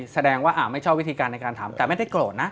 แสดงว่าไม่ชอบวิธีการในการถามแต่ไม่ได้โกรธนะ